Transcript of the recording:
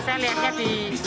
saya lihatnya di doa itu sih